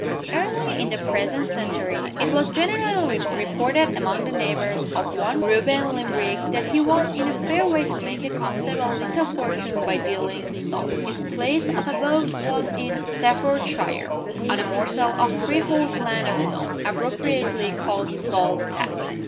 EARLY in the present century it was generally reported among the neighbors of one Reuben Limbrick that he was in a fair way to make a comfortable little fortune by dealing in Salt. His place of abode was in Staffordshire, on a morsel of freehold land of his own appropriately called Salt Patch.